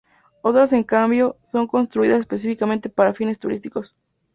Otras en cambio, son construidas específicamente para fines turísticos.